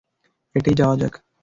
হেঁটেই যাওয়া যাক।